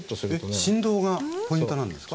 えっ振動がポイントなんですか？